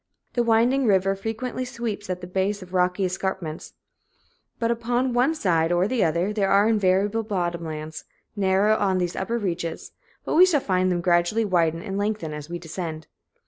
The winding river frequently sweeps at the base of rocky escarpments, but upon one side or the other there are now invariably bottom lands narrow on these upper reaches, but we shall find them gradually widen and lengthen as we descend.